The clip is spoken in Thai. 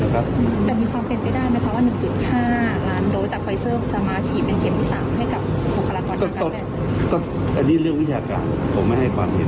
อันนี้เรื่องวิทยาการผมไม่ให้ความเห็น